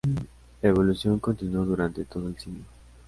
La evolución continuó durante todo el siglo.